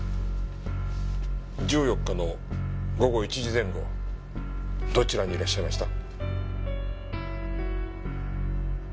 １４日の午後１時前後どちらにいらっしゃいました？